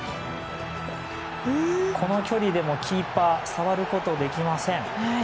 この距離でもキーパー触ることができません。